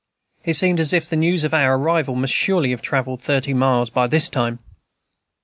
It seemed as if the news of our arrival must surely have travelled thirty miles by this time.